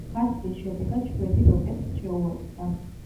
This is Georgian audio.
გაცვლის შედეგად შვედი როკეტსს შეუერთდა.